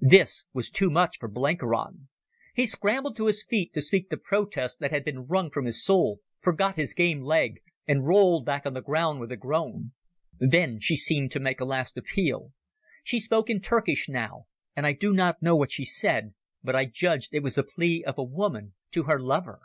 This was too much for Blenkiron. He scrambled to his feet to speak the protest that had been wrung from his soul, forgot his game leg, and rolled back on the ground with a groan. Then she seemed to make a last appeal. She spoke in Turkish now, and I do not know what she said, but I judged it was the plea of a woman to her lover.